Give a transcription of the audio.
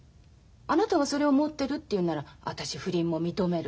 あなたがそれを持ってるっていうなら私不倫も認める。